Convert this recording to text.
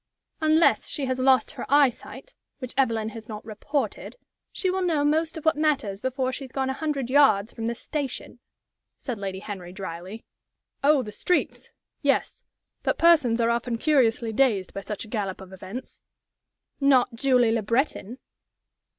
"Unless she has lost her eyesight which Evelyn has not reported she will know most of what matters before she has gone a hundred yards from the station," said Lady Henry, dryly. "Oh, the streets! Yes; but persons are often curiously dazed by such a gallop of events." "Not Julie Le Breton!"